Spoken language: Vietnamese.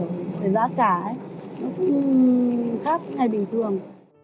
nó cũng khác ngày bình thường